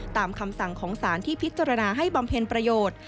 คำสั่งของสารที่พิจารณาให้บำเพ็ญประโยชน์